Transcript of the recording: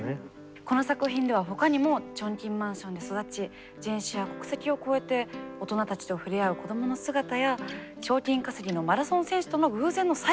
この作品ではほかにもチョンキンマンションで育ち人種や国籍を超えて大人たちと触れ合う子どもの姿や賞金稼ぎのマラソン選手との偶然の再会も描かれています。